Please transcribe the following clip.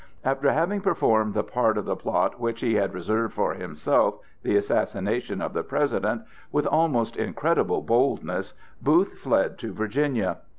After having performed that part of the plot which he had reserved for himself—the assassination of the President—with almost incredible boldness, Booth fled to Virginia.